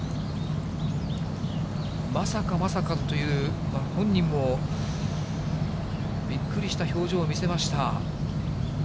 まさかまさかという、本人もびっくりした表情を見せました。